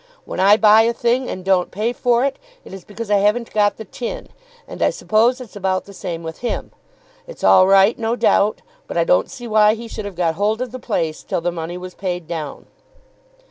"When I buy a thing and don't pay for it, it is because I haven't got the tin, and I suppose it's about the same with him. It's all right, no doubt, but I don't see why he should have got hold of the place till the money was paid down."